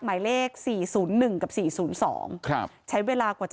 หมายเลขสี่ศูนย์หนึ่งกับสี่ศูนย์สองครับใช้เวลากว่าจะ